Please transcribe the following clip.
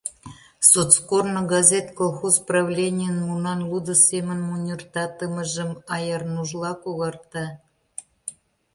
«Соцкорно» газет колхоз правленийын мунан лудо семын муньыртатымыжым аярнужла когарта.